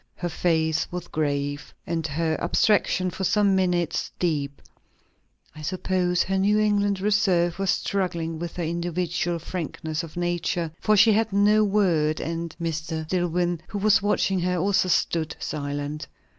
Her face was grave, and her abstraction for some minutes deep. I suppose her New England reserve was struggling with her individual frankness of nature, for she said no word, and Mr. Dillwyn, who was watching her, also stood silent.